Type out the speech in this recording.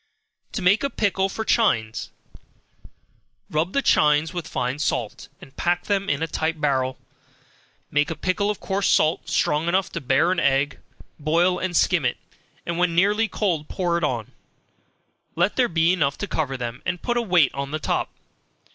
To Make a Pickle for Chines. Rub the chines with fine salt, and pack them in a tight barrel, make a pickle of coarse salt, strong enough to bear an egg, boil and skim it, and when nearly cold pour it on, let there be enough to cover them, and put a weight on the top.